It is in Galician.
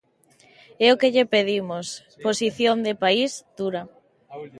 É o que lle pedimos, posición de país, dura.